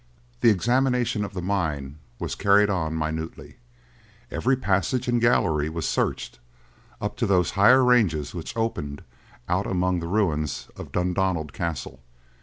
The examination of the mine was carried on minutely. Every passage and gallery was searched, up to those higher ranges which opened out among the ruins of Dundonald Castle.